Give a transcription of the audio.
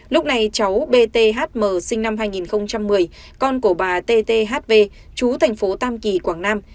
lúc này cháu bthm sinh năm hai nghìn một mươi con của bà tthv chú thành phố tam kỳ quảng nam